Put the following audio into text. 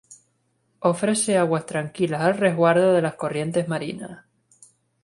Ofrece aguas tranquilas al resguardo de las corrientes marinas.